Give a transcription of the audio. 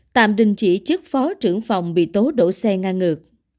tạm đình chỉ chức phó trưởng phòng bị tố đổ xe ngang ngược